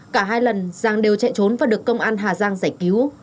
cả hai lần giàng đều chạy trốn và được công an hà giang giải cứu